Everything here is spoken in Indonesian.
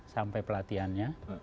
sampai pelatihan nya